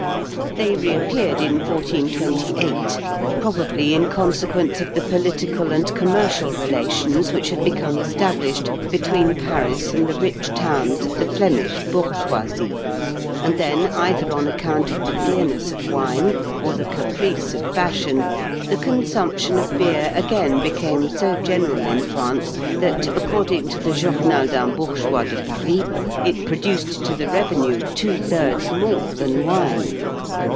They reappeared in 1428, probably in consequence of the political and commercial relations which had become established between Paris and the rich towns of the Flemish bourgeoisie; and then, either on account of the dearness of wine, or the caprice of fashion, the consumption of beer again became so general in France that, according to the "Journal d'un Bourgeois de Paris," it produced to the revenue two thirds more than wine.